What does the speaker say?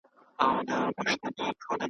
پکښي ګرځېدې لښکري د آسونو .